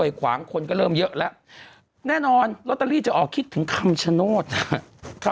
ขวางคนก็เริ่มเยอะแล้วแน่นอนลอตเตอรี่จะออกคิดถึงคำชโนธนะครับ